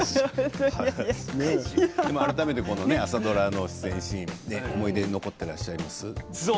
改めて、朝ドラの出演シーン印象に残ってらっしゃいますか。